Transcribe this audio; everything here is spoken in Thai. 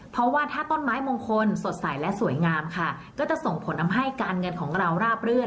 เพราะว่าถ้าต้นไม้มงคลสดใสและสวยงามค่ะก็จะส่งผลทำให้การเงินของเราราบรื่น